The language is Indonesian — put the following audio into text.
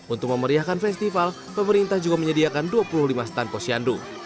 untuk memeriahkan festival pemerintah juga menyediakan dua puluh lima stand posyandu